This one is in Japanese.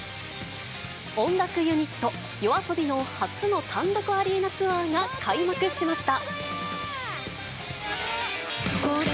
音楽ユニット、ＹＯＡＳＯＢＩの初の単独アリーナツアーが開幕しました。